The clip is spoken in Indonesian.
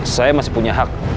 saya masih punya hak